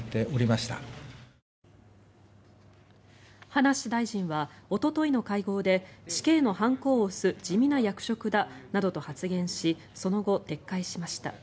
葉梨大臣はおとといの会合で死刑の判子を押す地味な役職だなどと発言しその後、撤回しました。